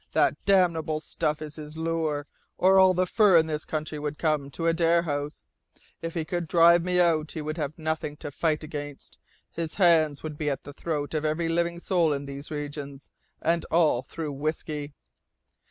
That damnable stuff is his lure, or all the fur in this country would come to Adare House. If he could drive me out he would have nothing to fight against his hands would be at the throat of every living soul in these regions, and all through whisky.